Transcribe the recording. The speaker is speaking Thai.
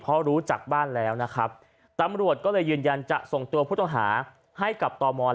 เพราะรู้จักบ้านแล้วนะครับตำรวจก็เลยยืนยันจะส่งตัวผู้ต้องหาให้กับตม